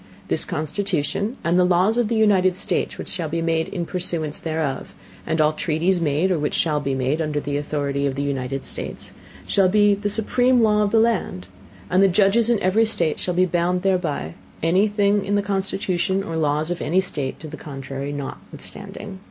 This Constitution, and the Laws of the United States which shall be made in Pursuance thereof; and all Treaties made, or which shall be made, under the Authority of the United States, shall be the supreme Law of the Land; and the Judges in every State shall be bound thereby, any Thing in the Constitution or Laws of any State to the Contrary notwithstanding.